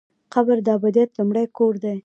قبر د ابدیت لومړی کور دی؟